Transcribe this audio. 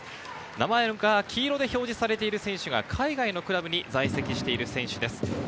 名前が黄色で表示されている選手は海外のクラブに在籍している選手です。